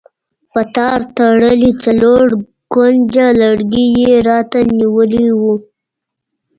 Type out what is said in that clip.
په تار تړلی څلور کونجه لرګی یې راته نیولی و.